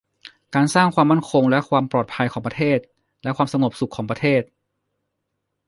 การสร้างความมั่นคงและความปลอดภัยของประเทศ และความสงบสุขของประเทศ